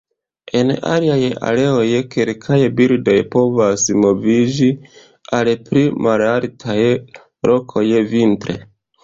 En aliaj areoj, kelkaj birdoj povas moviĝi al pli malaltaj lokoj vintre.